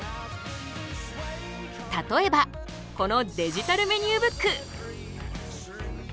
例えばこのデジタルメニューブック。